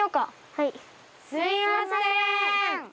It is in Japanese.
はい。